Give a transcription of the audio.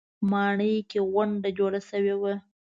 ماڼۍ کې غونډه جوړه شوې وه.